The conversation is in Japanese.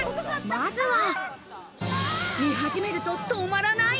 まずは、見始めると止まらない。